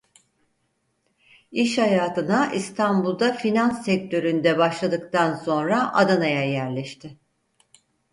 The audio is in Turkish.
İş hayatına İstanbul'da finans sektöründe başladıktan sonra Adana'ya yerleşti.